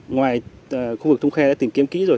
ngoài khu vực thông khe đã tìm kiếm kỹ rồi